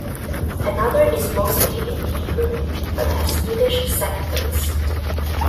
Another is mostly in Hebrew, but has Yiddish segments.